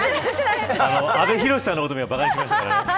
阿部寛さんのこともばかにしましたからね。